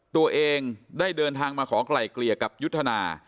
ตัวเองได้เดินทางมาขอไกล่เกลี่ยกับยุทธนา